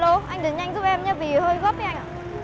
rồi rồi anh cứ tắt đi ra xong